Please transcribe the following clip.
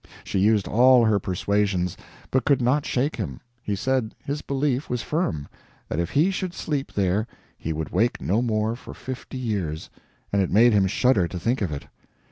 She used all her persuasions, but could not shake him; he said his belief was firm, that if he should sleep there he would wake no more for fifty years, and it made him shudder to think of it.